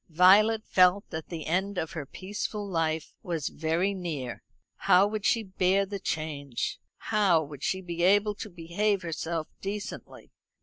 Violet felt that the end of her peaceful life was very near. How would she bear the change? How would she be able to behave herself decently?